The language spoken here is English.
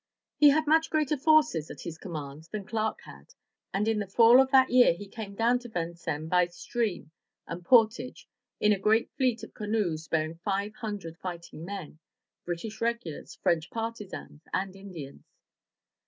He had much greater forces at his command than Clark had, and in the fall of that year he came down to Vincennes by stream and portage, in a great fleet of canoes bearing five hundred fighting men — British regulars, French partisans, and Indians.